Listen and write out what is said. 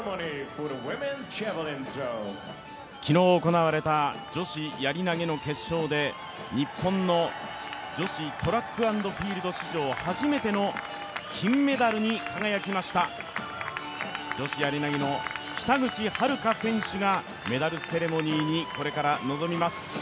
昨日行われた女子やり投の決勝で日本の女子トラック＆フィールド史上初めての金メダルに輝きました女子やり投の北口榛花選手がメダルセレモニーにこれから臨みます。